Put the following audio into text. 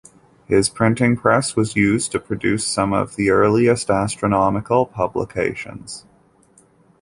His printing press was used to produce some of the earliest astronomical publications.